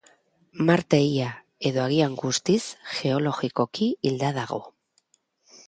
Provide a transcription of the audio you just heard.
Marte ia, edo agian guztiz, geologikoki hilda dago.